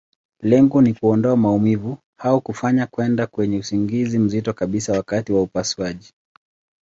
Lengo ni kuondoa maumivu, au kufanya kwenda kwenye usingizi mzito kabisa wakati wa upasuaji.